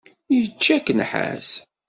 Yečča-k nnḥas.